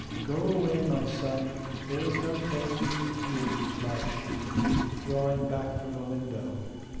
'Go away, my son, there is no place for you here,' replied she, drawing back from the window.